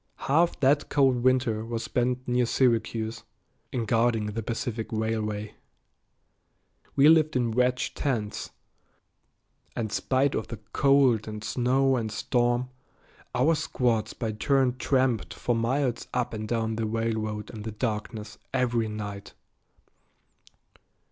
Half that cold winter was spent near Syracuse, in guarding the Pacific Railway. We lived in wedge tents, and spite of the cold and snow and storm, our squads by turn tramped for miles up and down the railroad in the darkness every night.